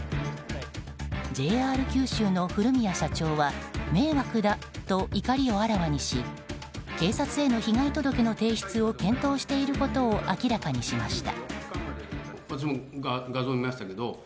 ＪＲ九州の古宮社長は迷惑だと怒りをあらわにし警察への被害届の提出を検討していることを明らかにしました。